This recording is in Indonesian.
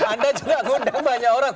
anda juga gondok banyak orang